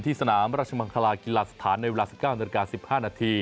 ที่สนามราชมังคลากิลลาสถานในเวลา๑๙๑๕น